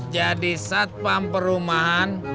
jadi saat pamper rumahan